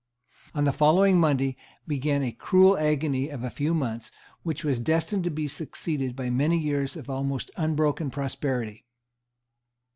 On the following Monday began a cruel agony of a few months, which was destined to be succeeded by many years of almost unbroken prosperity.